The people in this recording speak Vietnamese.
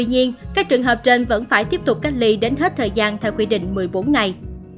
hợp trình vẫn phải tiếp tục cách ly đến hết thời gian theo quy định một mươi bốn ngày